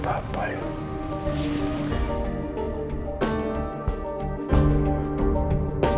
udah bisa semua lagi